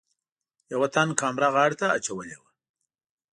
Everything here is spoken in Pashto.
یوه تن کامره غاړې ته اچولې وه.